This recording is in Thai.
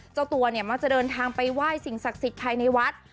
เจ้าตัวจะเดินทางไปว่ายสิ่งศักดิ์สิทธิ์ภายในวัด